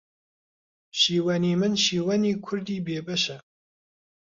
شیوەنی من شینی کوردی بێ بەشە